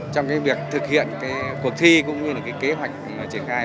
trong cái việc thực hiện cuộc thi cũng như là cái kế hoạch triển khai